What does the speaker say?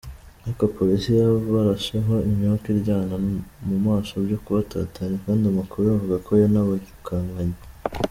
Ariko polisi yabarasheho imyuka iryana mu maso byo kubatatanya, kandi amakuru avuga ko yanabirukankanye.